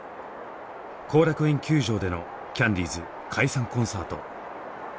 後楽園球場でのキャンディーズ解散コンサート。